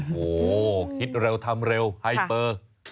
โอ้โหคิดเร็วทำเร็วไฮเปอร์